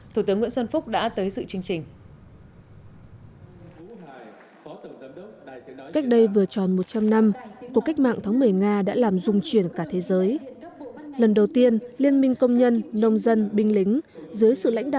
thủ tướng nguyễn xuân phúc đã tới dự chương trình